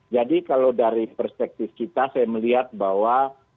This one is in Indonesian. jadi kalau dari perspektif kita saya melihat bahwa